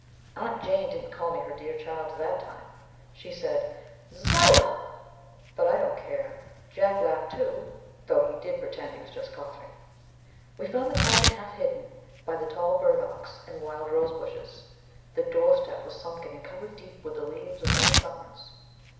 Aunt Jane didn't call me her dear child that time; she said, " Zel 1 l ah !" But I don't care. Jack laughed too, though he did pretend he was just coughing. We found the cabin, half hidden by the tall burdocks and wild rose bushes. The door step was sunken and covered deep with the leaves of many summers.